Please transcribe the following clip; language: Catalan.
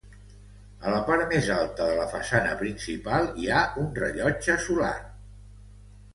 A la part més alta de la façana principal hi ha un rellotge solar.